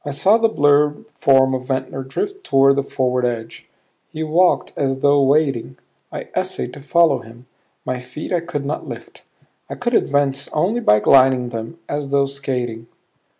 I saw the blurred form of Ventnor drift toward the forward edge. He walked as though wading. I essayed to follow him; my feet I could not lift; I could advance only by gliding them as though skating.